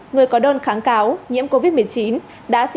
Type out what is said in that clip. người có đơn kháng cáo nhiễm covid một mươi chín